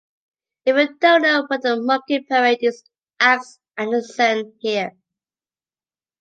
If you don't know what a monkey parade is ask Anderson here.